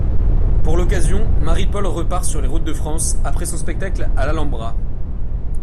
Pour l'occasion, Marie-Paule repart sur les routes de France, après son spectacle à l'Alhambra.